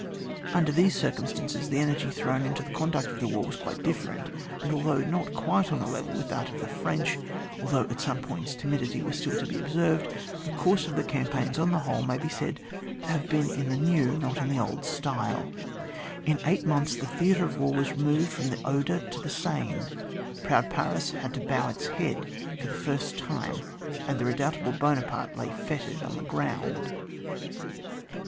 Under these circumstances, the energy thrown into the conduct of the war was quite different ; and, although not quite on a level with that of the French, al though at some points timidity was still to be observed, tiie course of the cam* paigns, upon the whole, may be said to have been in the new, not in the old, style. In eight months the theatre of war was removed &om the Oder to the Seine. Proud Paris had to bow its head for the first time ; and the redoubtable Buonaparte lay fettered on the ground.